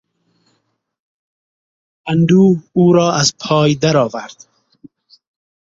اندوه او را از پای درآورد.